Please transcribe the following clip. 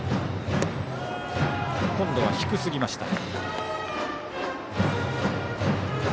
今度は低すぎました。